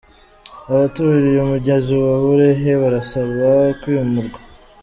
Abaturiye umugezi wa Burehe barasaba kwimurwa